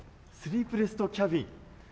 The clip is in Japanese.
スリープレストキャビン。